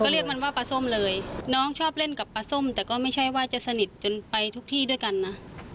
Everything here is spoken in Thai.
เรียกมันว่าปลาส้มเลยน้องชอบเล่นกับปลาส้มแต่ก็ไม่ใช่ว่าจะสนิทจนไปทุกที่ด้วยกันนะ